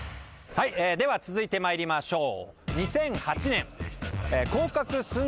はいでは続いて参りましょう。